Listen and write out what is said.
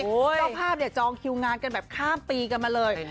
ก็ภาพจองคิวงานกันแบบข้ามปีกันมาเลย